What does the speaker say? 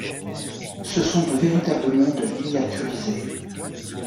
Ce sont de véritables mondes miniaturisés.